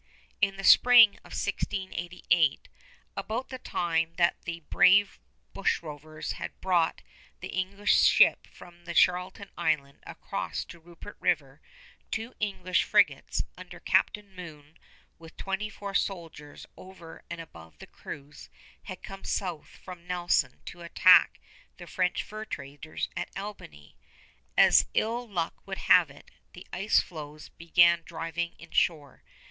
In the spring of 1688, about the time that the brave bush rovers had brought the English ship from Charlton Island across to Rupert River, two English frigates under Captain Moon, with twenty four soldiers over and above the crews, had come south from Nelson to attack the French fur traders at Albany. As ill luck would have it, the ice floes began driving inshore.